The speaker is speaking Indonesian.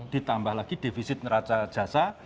ditambah lagi defisit neraca jasa